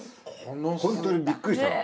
本当にびっくりしたの。